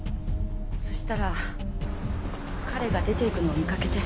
そしたら彼が出ていくのを見かけて。